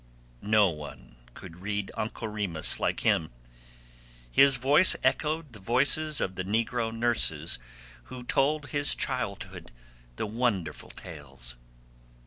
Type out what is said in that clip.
No one could read 'Uncle Remus' like him; his voice echoed the voices of the negro nurses who told his childhood the wonderful tales.